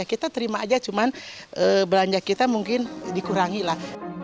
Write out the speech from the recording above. kita terima aja cuman belanja kita mungkin dikurangi lah